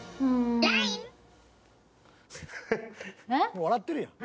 もう笑ってるやん。